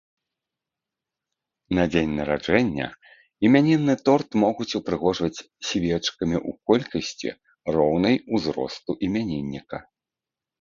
На дзень нараджэння імянінны торт могуць упрыгожваць свечкамі ў колькасці, роўнай узросту імянінніка.